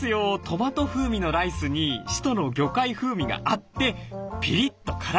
トマト風味のライスにシトの魚介風味が合ってピリッと辛い！